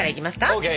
ＯＫ！